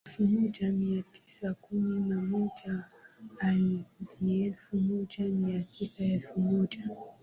Elfu moja Mia Tisa kumi na moja hadi elfu moja Mia Tisa elfu moja